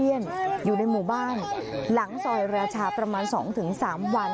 อยู่ในหมู่บ้านหลังซอยราชาประมาณ๒๓วัน